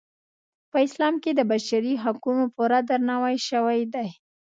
په اسلام کې د بشري حقونو پوره درناوی شوی دی.